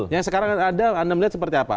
yang sekarang ada anda melihat seperti apa